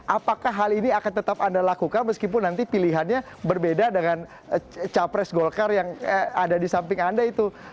apakah hal ini akan tetap anda lakukan meskipun nanti pilihannya berbeda dengan capres golkar yang ada di samping anda itu